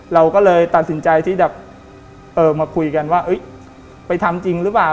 เราก็เลยตัดสินใจที่แบบเออมาคุยกันว่าไปทำจริงหรือเปล่า